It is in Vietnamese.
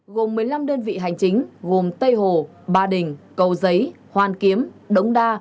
gồm một mươi năm đơn vị hành chính gồm tây hồ ba đình cầu giấy hoàn kiếm đống đa